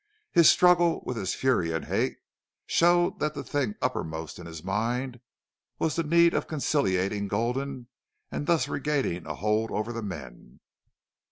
His struggle with his fury and hate showed that the thing uppermost in his mind was the need of conciliating Gulden and thus regaining a hold over the men.